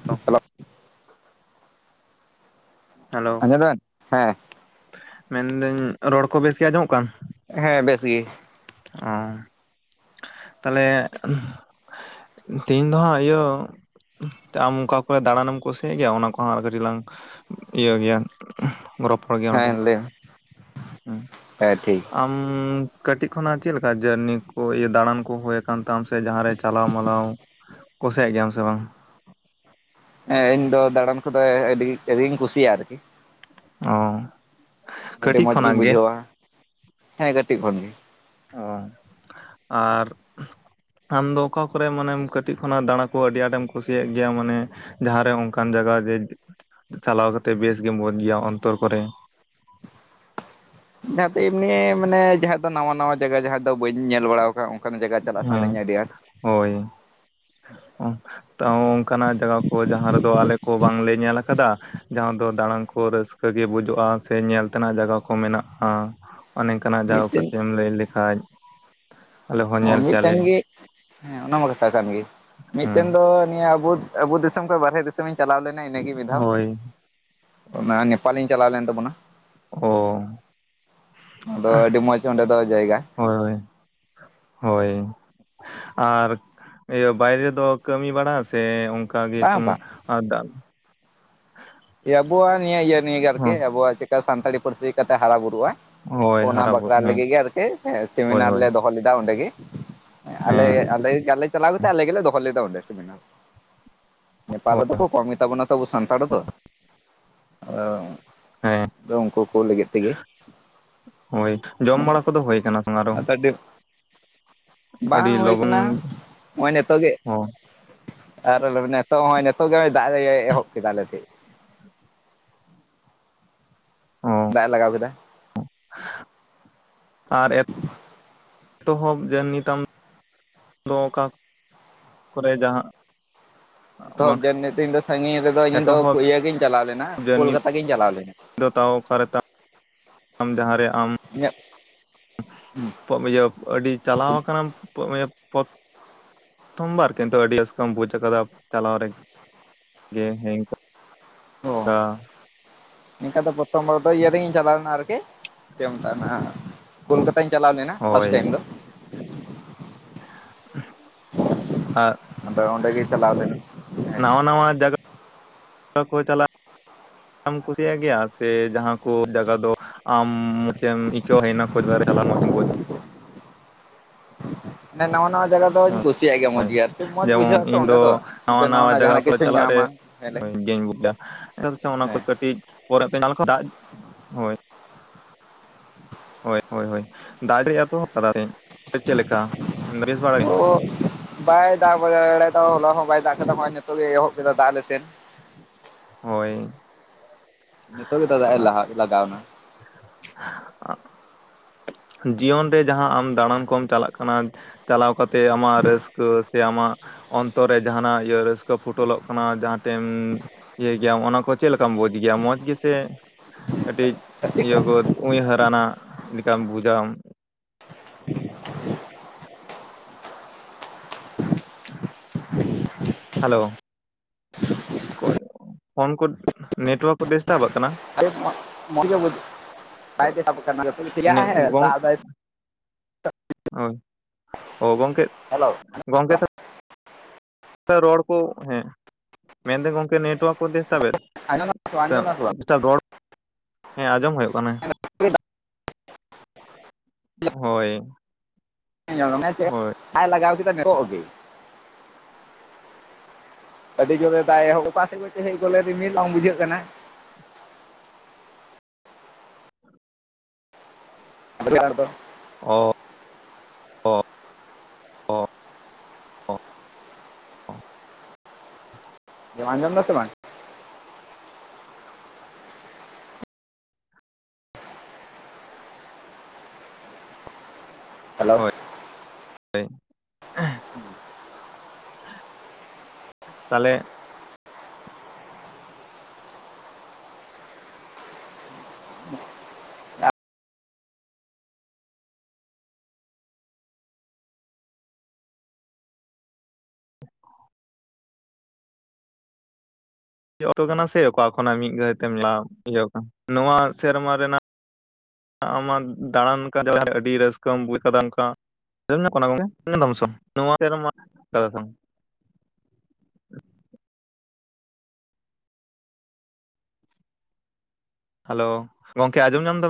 [unintelligible] Hello hello. [unintelligible] ᱦᱮᱸ᱾ ᱢᱮᱱ ᱫᱟᱹᱧ ᱨᱚᱲ ᱠᱚ ᱵᱮᱥ ᱜᱮ ᱟᱸᱡᱚᱢ ᱚᱜ ᱠᱟᱱ? ᱦᱮᱸ ᱵᱮᱥ ᱜᱮ ᱾ ᱚᱻ ᱛᱟᱦᱞᱮ ᱛᱮᱦᱮᱧ ᱫᱚ ᱦᱟᱸᱜ ᱤᱭᱟᱹ ᱟᱢ ᱚᱠᱟ ᱠᱚᱨᱮ ᱫᱟᱲᱟᱱ ᱮᱢ ᱠᱩᱥᱤᱭᱟᱜ ᱜᱮᱭᱟ ᱚᱱᱟ ᱠᱚᱦᱚᱸ ᱟᱨ ᱠᱟᱹᱴᱤᱡ ᱞᱟᱝ, ᱤᱭᱟᱹ ᱜᱮᱭᱟ, [unintelligible] ᱜᱮᱭᱟ ᱚᱱᱟ ᱠᱚ ᱦᱮᱸ ᱞᱟᱹᱭ ᱢᱮ ᱦᱮᱸ ᱴᱷᱤᱠ [unintelligible] ᱟᱢ ᱠᱟᱹᱴᱤᱡ ᱠᱷᱚᱱ ᱟᱜ ᱪᱮᱫ ᱞᱮᱠᱟ ᱡᱟᱹᱨᱱᱤ ᱠᱚ ᱫᱟᱲᱟᱱ ᱠᱚ ᱦᱳᱭ, ᱠᱟᱱ ᱛᱟᱢ ᱥᱮ ᱡᱟᱦᱟ ᱨᱮ ᱪᱟᱞᱟᱣ ᱢᱟᱞᱟᱣ ᱠᱩᱥᱤᱭᱟᱜ ᱜᱮᱭᱟᱢ ᱥᱮ ᱵᱟᱝ? ᱦᱮᱸ ᱤᱧ ᱫᱚ ᱫᱟᱲᱟᱱ ᱠᱚᱫᱚ ᱟᱹᱰᱤ ᱟᱹᱰᱤᱧ ᱠᱩᱥᱤᱭᱟᱜ ᱟᱨᱠᱤ ᱾ ᱚ, ᱟᱹᱰᱤ ᱠᱟᱹᱴᱤᱡ ᱢᱚᱸᱡᱽ ᱜᱤᱧ ᱠᱷᱚᱱᱟᱜ ᱜᱮ ᱵᱩᱡᱷᱟᱹᱣᱟ ᱦᱮᱸ ᱠᱟᱹᱴᱤᱡ ᱠᱷᱚᱱ ᱜᱮ ᱾ ᱚ ᱟᱨ ᱟᱢᱫᱚ ᱚᱠᱟ ᱠᱚᱨᱮ ᱢᱟᱱᱮᱢ ᱠᱟᱹᱴᱤᱡ ᱠᱷᱚᱱᱟᱜ ᱫᱟᱲᱟ ᱠᱚ ᱟᱹᱰᱤ ᱟᱸᱴ ᱮᱢ ᱠᱩᱥᱤᱭᱟᱜ ᱜᱮᱭᱟ ᱢᱟᱱᱮ, ᱡᱟᱦᱟ ᱨᱮ ᱚᱱᱠᱟᱱ ᱡᱟᱭᱜᱟ ᱡᱮ ᱪᱟᱞᱟᱣ ᱠᱟᱛᱮᱜ ᱵᱮᱥ ᱜᱮᱢ [unintelligible] ᱚᱱᱛᱚᱨ ᱠᱚᱨᱮ ᱾ [inaudible] ᱡᱟᱦᱟ ᱛᱮ ᱮᱢᱱᱤ ᱢᱟᱱᱮ ᱡᱟᱦᱟ ᱫᱚ ᱱᱟᱣᱟ ᱱᱟᱣᱟ ᱡᱟᱭᱜᱟ ᱡᱟᱦᱟ ᱫᱚ ᱵᱟᱹᱧ ᱧᱮᱞ ᱵᱟᱲᱟ ᱟᱠᱟᱫᱟ ᱾ ᱚᱱᱠᱟ ᱱᱟᱸᱜ ᱡᱟᱭᱜᱟ ᱪᱟᱞᱟᱜ ᱦᱮᱸ ᱥᱟᱱᱟᱧᱟ ᱟᱹᱰᱤ ᱟᱸᱴ ᱾ ᱦᱳᱭ ᱾ ᱚ ᱛᱟᱹᱣ ᱚᱱᱠᱟ ᱱᱟᱸᱜ ᱡᱟᱭᱜᱟ ᱠᱚ ᱡᱟᱦᱟ ᱨᱮᱫᱚ ᱟᱞᱮ ᱠᱚ ᱵᱟᱝ ᱞᱮ ᱧᱮᱞ ᱟᱠᱟᱫᱟ ᱡᱟᱦᱟ ᱫᱚ ᱫᱟᱲᱟᱱ ᱠᱚ ᱨᱟᱹᱥᱠᱟᱹ ᱜᱮ ᱵᱩᱡᱩᱜᱼᱟ ᱥᱮ ᱧᱮᱞ ᱛᱮ ᱱᱟᱸᱜ ᱡᱟᱭᱜᱟ ᱠᱚ ᱢᱮᱱᱟᱜᱼᱟ, [unintelligible] ᱠᱟᱱᱟᱜ ᱡᱟᱭᱜᱟ ᱠᱚ ᱢᱤᱫᱴᱮᱱ ᱠᱟᱹᱴᱤᱡ ᱮᱢ ᱞᱟᱹᱭ ᱞᱮᱠᱷᱟᱡ, ᱟᱞᱮ ᱦᱚᱸ ᱚ ᱧᱮᱞ ᱢᱤᱫ ᱠᱮᱭᱟᱞᱮ ᱴᱟᱝ ᱜᱮ ᱦᱮᱸ ᱚᱱᱟ ᱢᱟ ᱠᱟᱛᱷᱟ ᱠᱟᱱ ᱜᱮ ᱢᱤᱫ ᱦᱮᱸ ᱴᱮᱱ ᱫᱚ ᱱᱤᱭᱟᱹ ᱟᱵᱚ, ᱟᱵᱚ ᱫᱤᱥᱚᱢ ᱠᱷᱚᱱ ᱵᱟᱨᱦᱮ ᱫᱤᱥᱚᱢ ᱤᱧ ᱪᱟᱞᱟᱣ ᱞᱮᱱᱟ ᱤᱱᱟᱹᱜᱮ ᱢᱤᱜ ᱫᱷᱟᱣ, ᱦᱳᱭ ᱚᱱᱟ ᱱᱮᱯᱟᱞ ᱤᱧ ᱪᱟᱞᱟᱣ ᱞᱮᱱ ᱛᱟᱵᱚ ᱱᱟ ᱾ ᱚ ᱟᱫᱚ ᱟᱹᱰᱤ ᱢᱚᱸᱡᱽ ᱚᱸᱰᱮ ᱫᱚ ᱡᱟᱭᱜᱟ ᱦᱳᱭ ᱾ ᱦᱳᱭ ᱟᱨ ᱤᱭᱟᱹ ᱵᱟᱭᱨᱮ ᱫᱚ ᱠᱟᱹᱢᱤ ᱵᱟᱲᱟ ᱥᱮ? ᱤᱱᱠᱟᱹ ᱜᱮ ᱵᱟᱝ ᱵᱟᱝ [unintelligible] ᱾ [unintelligible] ᱟᱵᱚᱣᱟᱜ ᱱᱤᱭᱟᱹᱤᱭᱟᱹ ᱱᱤᱭᱮ ᱜᱮ ᱟᱨᱠᱤ ᱦᱚᱸ ᱟᱵᱚᱣᱟᱜ ᱪᱮᱠᱟ ᱥᱟᱱᱛᱟᱲᱤ ᱯᱟᱹᱨᱥᱤ ᱪᱮᱫ ᱞᱮᱠᱟ ᱛᱮ ᱦᱟᱨᱟ ᱵᱩᱨᱩᱜᱼᱟ ᱦᱳᱭ ᱾ ᱚᱱᱟ ᱦᱟᱨᱟ ᱵᱟᱠᱷᱨᱟ ᱵᱩᱨᱩ ᱦᱮᱸ ᱞᱟᱹᱜᱤᱫ ᱜᱮ ᱟᱨᱠᱤ ᱦᱳᱭ ᱥᱮᱢᱤᱱᱟᱨ ᱦᱳᱭ ᱞᱮ ᱫᱚᱦᱚ ᱞᱮᱫᱟ ᱚᱸᱰᱮ ᱜᱮ ᱟᱞᱮ ᱦᱮᱸ [unintelligible] ᱟᱞᱮ ᱪᱟᱞᱟᱣ ᱠᱟᱛᱮ ᱜᱮ ᱟᱞᱮ ᱜᱮ ᱞᱮ ᱫᱚᱦᱚ ᱞᱮᱫᱟ ᱚᱸᱰᱮ ᱥᱤᱢᱤ ᱱᱟᱨ ᱱᱮᱯᱟᱞ ᱦᱳᱭ ᱨᱮᱫᱚ ᱠᱚ ᱠᱚᱢ ᱜᱮᱛᱟ ᱵᱚᱱᱟ ᱛᱚ ᱟᱵᱚ ᱥᱟᱱᱛᱟᱲ ᱫᱚ ᱾ ᱚ ᱦᱮᱸ ᱟᱫᱚ ᱩᱱᱠᱩ ᱠᱚ ᱞᱟᱹᱜᱤᱫ ᱛᱤᱜᱤ ᱾ [inaudible] ᱦᱳᱭ ᱡᱚᱢ ᱵᱟᱲᱟ ᱠᱚᱫᱚ ᱦᱳᱭ ᱠᱟᱱᱟ ᱥᱮ [inaudible] ᱟᱨᱚ, ᱟᱫᱚ ᱟᱹᱰᱤ ᱟᱹᱰᱤ ᱵᱟᱝ ᱦᱳᱭ ᱞᱚᱜᱚᱱ ᱠᱟᱱᱟ, ᱱᱚᱜ-ᱚᱭ ᱱᱤᱛᱳᱜ ᱜᱮ ᱦᱚᱸ ᱟᱨ ᱱᱤᱛᱚᱜ ᱦᱚᱸᱜ-ᱚᱭ ᱱᱤᱛᱚᱜ ᱜᱮ ᱱᱚᱜ ᱫᱟᱜ [inaudible] ᱮᱦᱚᱵ ᱠᱮᱫᱟ ᱟᱞᱮ ᱥᱮᱫ ᱾ [inaudible] ᱦᱚᱸ ᱫᱟᱜ ᱮ ᱞᱟᱜᱟᱣ ᱠᱮᱫᱟ ᱾ ᱟᱨ ᱛᱚᱦᱚᱵ ᱡᱟᱨᱱᱤ ᱛᱟᱢ ᱫᱚ ᱚᱠᱟ ᱠᱚᱨᱮ ᱡᱟᱦᱟᱸ ᱵᱟᱝ ᱮᱛᱚᱦᱚᱵ ᱡᱟᱨᱱᱤ ᱛᱤᱧ ᱫᱚ ᱥᱟᱺᱜᱤᱧ ᱨᱮᱫᱚ ᱤᱧ ᱫᱚ ᱮᱛᱚᱦᱚᱵ [inaudible] ᱤᱭᱟᱹ ᱜᱤᱧ ᱪᱟᱞᱟᱣ ᱞᱮᱱᱟ ᱡᱟᱹᱨᱱᱤ ᱠᱳᱞᱠᱟᱛᱟ ᱜᱤᱧ ᱪᱟᱞᱟᱣ ᱞᱮᱱᱟ ᱾ ᱫᱚ ᱛᱟᱣ ᱚᱠᱟ ᱨᱮ ᱛᱟ ᱟᱢ ᱡᱟᱦᱟᱸᱨᱮ ᱟᱢ ᱤᱧᱟᱹᱜ [inaudible] ᱤᱭᱟᱹ ᱟᱹᱰᱤ ᱪᱟᱞᱟᱣ ᱟᱠᱟᱱᱟᱢ [inaudible] ᱯᱚᱛ [inaudible] ᱵᱟᱨ ᱠᱤᱱᱛᱩ ᱟᱹᱰᱤ ᱨᱟᱹᱥᱠᱟᱹᱢ ᱵᱩᱡ ᱠᱟᱫᱟ ᱪᱟᱞᱟᱣ ᱨᱮᱜᱮ ᱾ ᱦᱮᱸ ᱚ ᱱᱤᱝᱠᱟᱹ ᱫᱚ ᱯᱚᱨᱛᱷᱚᱢ [unintelligible] ᱫᱚ ᱤᱭᱟᱹ ᱨᱮᱜᱤᱧ ᱪᱟᱞᱟᱣ ᱞᱮᱱᱟ ᱟᱨᱠᱤ᱾ ᱪᱮ ᱢᱮᱛᱟ ᱦᱟᱸᱜ ᱾ ᱠᱳᱞᱠᱟᱛᱟᱧ ᱪᱟᱞᱟᱣ ᱞᱮᱱᱟ ᱯᱷᱟᱥᱴ ᱦᱳᱭ ᱴᱟᱭᱤᱢ ᱫᱚ᱾ ᱟᱨ ᱟᱫᱚ ᱚᱸᱰᱮ ᱜᱮ ᱪᱟᱞᱟᱣ ᱞᱮᱱᱟ᱾ ᱱᱟᱣᱟ, ᱱᱟᱣᱟ ᱡᱟᱜᱟᱼᱼ [inaudible] ᱠᱚ ᱪᱟᱞᱟᱜ ᱮᱢ ᱠᱩᱥᱤᱭᱟᱜ ᱜᱮᱭᱟ ᱾ᱥᱮ ᱡᱟᱦᱟᱸ ᱠᱚ ᱡᱟᱜᱟ ᱫᱚᱼᱼ ᱟᱢ ᱪᱮᱜ ᱮᱢ ᱤᱠᱟᱹᱣ [inaudible] ᱢᱚᱹᱡᱽ ᱮᱢ ᱵᱩᱡ [inaudible] [unintelligible] ᱱᱟᱣᱟ, ᱱᱟᱣᱟᱼᱼ ᱡᱟᱜᱟ ᱫᱚᱧ ᱦᱳᱭ ᱠᱩᱥᱤᱭᱟᱜ ᱜᱮᱭᱟ ᱢᱚᱸᱡᱽ ᱦᱳᱭ ᱜᱮ ᱾ ᱟᱨᱠᱤ ᱢᱚᱸᱡᱽ ᱡᱮᱢᱚᱱ ᱵᱩᱡᱷᱟᱹᱜ ᱟᱛᱚ ᱤᱧ ᱚᱸᱰᱮ ᱫᱚ ᱱᱟᱣᱟ ᱢᱤᱫᱴᱮᱡ ᱱᱟᱣᱟ ᱱᱟᱣᱟᱱᱟ ᱡᱟᱭᱜᱟ ᱡᱟᱦᱟᱱᱟᱜ ᱠᱚᱨᱮ ᱠᱤᱪᱷᱩᱧ ᱪᱟᱞᱟᱜ ᱨᱮ ᱧᱟᱢᱟ᱾ ᱦᱮᱸᱞᱮ ᱦᱳᱭ [inaudible] ᱵᱩᱡ ᱫᱟ [inaudible] ᱚᱱᱟ ᱠᱚ ᱦᱮᱸ ᱠᱟᱹᱴᱤᱡ ᱯᱚᱨᱮ ᱛᱤᱧ [inaudible] [inaudible] ᱦᱳᱭ᱾ ᱦᱳᱭ, ᱦᱳᱭ, ᱦᱳᱭ ᱫᱟᱜ ᱮᱛᱚᱦᱚᱵ ᱠᱟᱫᱟ ᱛᱮᱦᱮᱧ ᱾ᱥᱮ ᱪᱮᱫ ᱞᱮᱠᱟ ᱵᱮᱥ ᱵᱟᱲᱟ ᱜᱮ? [inaudible] ᱵᱟᱭ ᱫᱟᱜ ᱵᱟᱲᱟ [inaudible] ᱛᱟ ᱦᱚᱞᱟ ᱦᱚᱸ ᱵᱟᱭ ᱫᱟᱜ ᱠᱟᱫᱟ᱾ ᱱᱤᱛᱚᱜ ᱮᱦᱚᱵ ᱠᱮᱫᱟ ᱫᱟᱜ ᱟᱞᱮ ᱥᱮᱫ᱾ ᱦᱳᱭ᱾ ᱱᱤᱛᱚᱜ ᱜᱮ ᱛᱚ ᱫᱟᱜ ᱮ ᱞᱟᱦᱟᱜ [unintelligible] ᱞᱟᱜᱟᱣ ᱱᱟ᱾ [inaudible] ᱡᱤᱭᱚᱱ ᱨᱮ ᱡᱟᱦᱟᱸ ᱟᱢ ᱫᱟᱬᱟᱱ ᱠᱚᱢ ᱪᱟᱞᱟᱜ ᱠᱟᱱᱟ ᱾ ᱪᱟᱞᱟᱣ ᱠᱟ ᱛᱮ ᱟᱢᱟᱜ ᱨᱟᱹᱥᱠᱟᱹ, ᱥᱮ ᱟᱢᱟᱜ ᱚᱱᱛᱚᱨ ᱨᱮ ᱡᱟᱦᱟᱱᱟᱜ ᱤᱭᱟᱹ [unintelligible] ᱛᱚ ᱯᱷᱩᱴᱚᱞᱚᱜ ᱠᱟᱱᱟ᱾ ᱡᱟᱦᱟᱸ ᱛᱮᱢ ᱤᱭᱟᱹᱭ ᱜᱮᱭᱟᱢ ᱚᱱᱟ ᱠᱚ᱾ ᱪᱮᱜ ᱞᱮᱠᱟᱢ ᱵᱩᱡᱽ ᱜᱮᱭᱟ? ᱢᱚᱡᱽ ᱜᱮᱥᱮ ᱠᱟᱹᱴᱤᱡ ᱤᱭᱟᱹ ᱠᱚᱼᱼ ᱩᱭᱦᱟᱹᱨ ᱟᱱᱟᱜ ᱞᱮᱠᱟᱢ ᱵᱩᱡ ᱟᱢ᱾ ᱦᱟᱞᱳ᱾ ᱚᱠᱚᱭ [inaudible] ᱯᱷᱳᱱ ᱠᱚ ᱱᱮᱴᱣᱟᱨᱠ ᱠᱚ ᱰᱤᱥᱴᱟᱵᱟᱜ ᱠᱟᱱᱟ᱾ ᱱᱮ [unintelligible] ᱦᱚᱭ, ᱚ ᱜᱚᱝᱠᱮ᱾ ᱦᱮᱞᱚ ᱜᱚᱝᱠᱮ [inaudible] ᱨᱚᱲ ᱠᱚ ᱦᱮᱸ, ᱢᱮᱱᱫᱟ ᱜᱚᱝᱠᱮ ᱱᱮᱴᱚᱣᱟᱨᱠ ᱠᱚ ᱰᱤᱥᱴᱟᱵ ᱟᱸᱡᱚᱢ ᱫᱟᱢ ᱥᱮ ᱵᱟᱝ ᱴᱟᱵ [unintelligible] ᱨᱚᱲ, ᱦᱮᱸ ᱟᱸᱡᱚᱢ ᱦᱳᱭᱳᱜ ᱠᱟᱱᱟ᱾ ᱦᱚᱭ᱾ [inaudible] ᱞᱟᱜᱟᱣ ᱠᱮᱫᱟ ᱱᱤᱛᱚᱜ ᱜᱮ᱾ ᱟᱹᱰᱤ ᱡᱳᱨᱮ ᱫᱟᱜ ᱮᱦᱚᱵ ᱠᱟᱜ-ᱟ᱾ [inaudible] ᱨᱤᱢᱤᱞ ᱵᱟᱝ ᱵᱩᱡᱷᱟᱹᱜ ᱠᱟᱱᱟ᱾ [inaudible] ᱫᱚ᱾ ᱚ ᱚ ᱚ ᱟᱸᱡᱚᱢ ᱫᱟ ᱥᱮ ᱵᱟᱝ? ᱦᱮᱞᱳ ᱦᱚᱭ [inaudible] ᱦᱮᱸ᱾ ᱛᱟᱞᱮᱼᱼ [unintelligible] ᱠᱟᱱᱟ᱾ ᱥᱮ ᱚᱠᱟ ᱠᱷᱚᱱᱟᱜ ᱢᱤᱫ ᱜᱷᱟᱹᱲᱤᱡ ᱛᱮᱢ ᱞᱟᱵᱷ [unintelligible] ᱤᱭᱟᱹ ᱟᱠᱟᱱᱟ᱾ ᱱᱚᱣᱟ ᱥᱮᱨᱢᱟ ᱨᱮᱱᱟᱜᱼᱼ ᱟᱢᱟᱜ ᱫᱟᱬᱟᱱ [unintelligible] ᱟᱹᱰᱤ ᱨᱟᱹᱥᱠᱟᱹᱢ ᱵᱩᱡ ᱠᱟᱫᱟ ᱚᱱᱠᱟ᱾ ᱟᱸᱡᱚᱢᱚᱜ ᱠᱟᱱᱟ ᱜᱚᱝᱠᱮ ᱾ᱟᱸᱡᱚᱢ ᱫᱟᱢ ᱥᱮ [unintelligible] ᱠᱟᱱᱟ ᱾ ᱦᱮᱞᱳ ᱜᱚᱝᱠᱮ ᱟᱸᱡᱚᱢ ᱧᱟᱢ ᱫᱟᱵᱮᱱ?